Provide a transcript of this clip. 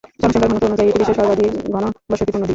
জনসংখ্যার ঘনত্ব অনুযায়ী এটি দেশের সর্বাধিক ঘনবসতিপূর্ণ দ্বীপ।